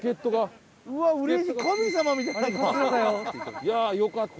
いやあよかった。